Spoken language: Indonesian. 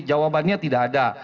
jawabannya tidak ada